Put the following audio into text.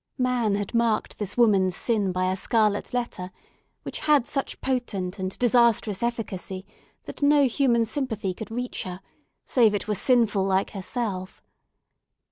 Man had marked this woman's sin by a scarlet letter, which had such potent and disastrous efficacy that no human sympathy could reach her, save it were sinful like herself.